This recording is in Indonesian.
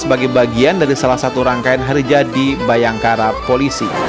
bagian bagian dari salah satu rangkaian harja di bayangkara polisi